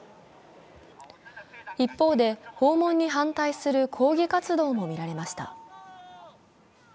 一方で、訪問に反対する抗議活動も見られました。